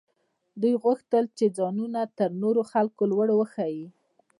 دوی غوښتل چې ځانونه تر نورو خلکو لوړ وښيي.